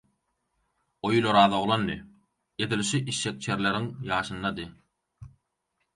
O ýyl Oraz oglandy. Edil şu işşekçerleriň ýaşyndady.